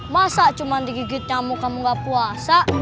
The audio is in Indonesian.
masa cuma digigit nyamu kamu gak puasa